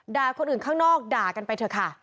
คนอื่นข้างนอกด่ากันไปเถอะค่ะ